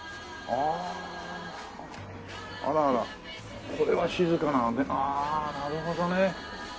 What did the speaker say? あらあらこれは静かなああなるほどね。